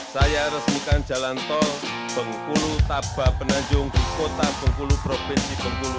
saya resmikan jalan tol bengkulu taba penanjung di kota bengkulu provinsi bengkulu